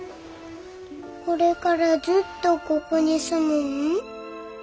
これからずっとここに住むん？